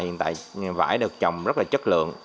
hiện tại vải được trồng rất là chất lượng